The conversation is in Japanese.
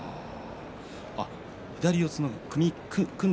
左四つの組んだ